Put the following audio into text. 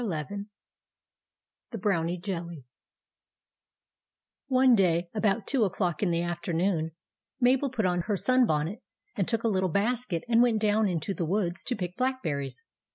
XL THE BROWNIE JELLY ONE day, about two o'clock in the afternoon, Mabel put on her sun bonnet and took a little basket and went down into the woods to pick black berries.